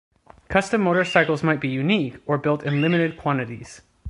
Custom motorcycles might be unique, or built in limited quantities.